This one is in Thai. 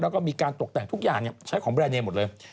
แล้วก็มีการตกแต่งทุกอย่างใช้ของแรนเนหมดเลย